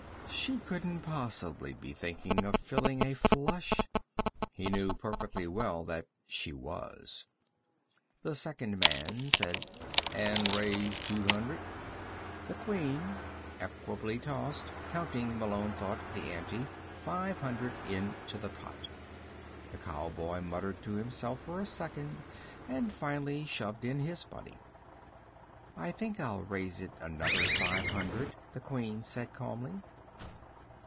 She couldn't possibly be thinking of filling a flush. He knew perfectly well that she was. The second man said: "And raise two hundred." The Queen equably tossed counting, Malone thought, the ante five hundred into the pot. The cowboy muttered to himself for a second, and finally shoved in his money. "I think I'll raise it another five hundred," the Queen said calmly.